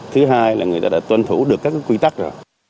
thứ hai là người ta đã tuân thủ được các quy tắc rồi